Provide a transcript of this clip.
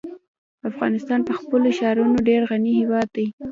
افغانستان په خپلو ښارونو ډېر غني هېواد دی.